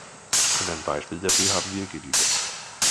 Und ein Beispiel dafür haben wir geliefert.